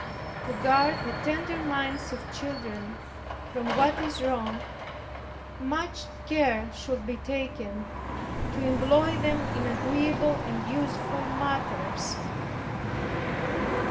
To guard the tender minds of children from what is wrong, much care should be taken to employ them in agreeable and useful matters.